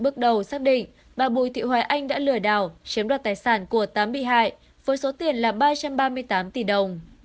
bước đầu xác định bà bùi thị hoài anh đã lừa đảo chiếm đoạt tài sản của tám bị hại với số tiền là ba trăm ba mươi tám tỷ đồng